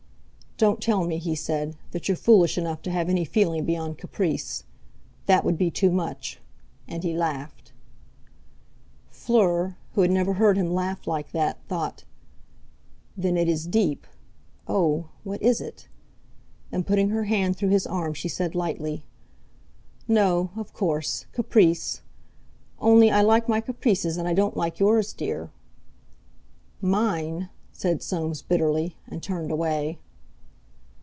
"Don't tell me," he said, "that you're foolish enough to have any feeling beyond caprice. That would be too much!" And he laughed. Fleur, who had never heard him laugh like that, thought: 'Then it is deep! Oh! what is it?' And putting her hand through his arm she said lightly: "No, of course; caprice. Only, I like my caprices and I don't like yours, dear." "Mine!" said Soames bitterly, and turned away.